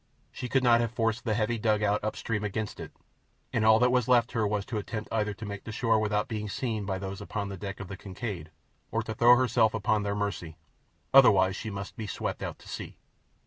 She could not have forced the heavy dugout up stream against it, and all that was left her was to attempt either to make the shore without being seen by those upon the deck of the Kincaid, or to throw herself upon their mercy—otherwise she must be swept out to sea.